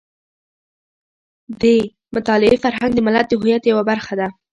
د مطالعې فرهنګ د ملت د هویت یوه برخه ده.